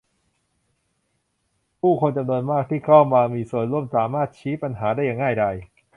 ผู้คนจำนวนมากที่เข้ามามีส่วนร่วมสามารถชี้ปัญหาได้อย่างง่ายดาย